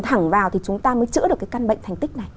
thẳng vào thì chúng ta mới chữa được cái căn bệnh thành tích này